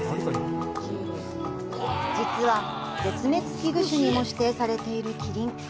実は絶滅危惧種にも指定されているキリン。